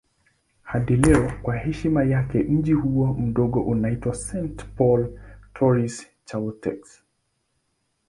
Hadi leo kwa heshima yake mji huo mdogo unaitwa St. Paul Trois-Chateaux.